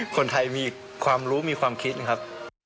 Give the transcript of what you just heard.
คนไทยมีความรู้มีความคิดนะครับ